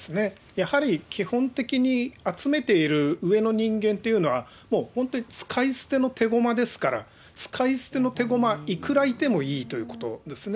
やはり、基本的に集めている上の人間っていうのは、もう本当に使い捨てのてごまですから、使い捨てのてごま、いくらいてもいいということですね。